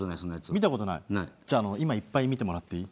見た事ない？じゃあ今いっぱい見てもらっていい？